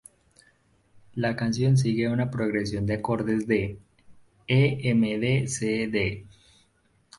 La canción sigue una progresión de acordes de E♭m–D♭–C♭–D♭.